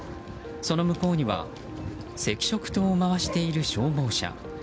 その向こうには赤色灯を回している消防車。